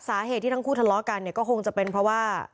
สาเหตุที่ทั้งคู่ทะเลาะกันเนี่ยก็คงจะเป็นเพราะว่า